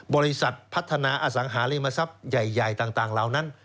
บริษัทพัฒนาอสังหาริมทรัพย์ใหญ่ต่างเหล่านั้น